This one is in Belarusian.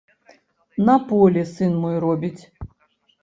На полі сын мой робіць.